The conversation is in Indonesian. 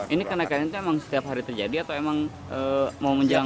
ini kenaikan itu emang setiap hari terjadi atau emang mau menjelang